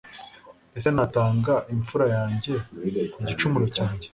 Ese natanga imfura yanjye ku gicumuro cyanjye,